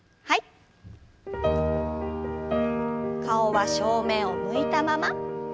顔は正面を向いたまま。